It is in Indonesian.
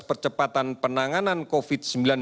percepatan penanganan covid sembilan belas